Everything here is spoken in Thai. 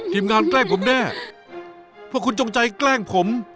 ทีมงานแกล้งผมแน่เพราะคุณจงใจแกล้งผม